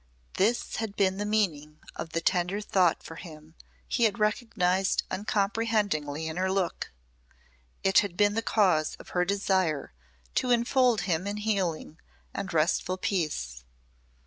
This had been the meaning of the tender thought for him he had recognised uncomprehendingly in her look: it had been the cause of her desire to enfold him in healing and restful peace.